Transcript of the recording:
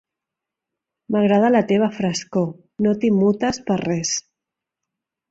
M'agrada la teva frescor: no t'immutes per res.